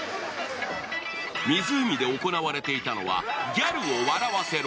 湖で行われていたのは、「ギャルを笑わせろ！